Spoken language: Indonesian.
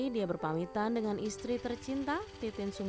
beberapa bulanieri aniti dalam kondisi itu menurut rym